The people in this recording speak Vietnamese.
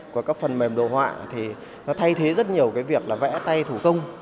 qua các phần mềm đồ họa thì nó thay thế rất nhiều cái việc là vẽ tay thủ công